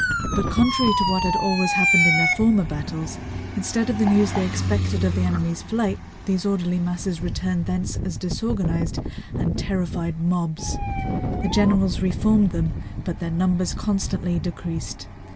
But contrary to what had always happened in their former battles, instead of the news they expected of the enemy's flight, these orderly masses returned thence as disorganized and terrified mobs. The generals re formed them, but their numbers constantly decreased.